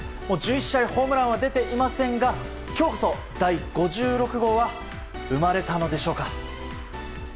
１１試合ホームランは出ていませんが今日こそ、第５６号は生まれたのでしょうか。